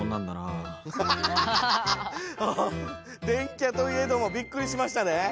電キャといえどもびっくりしましたね。